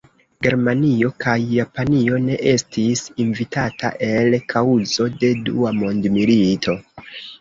Germanio kaj Japanio ne estis invitata el kaŭzo de Dua mondmilito.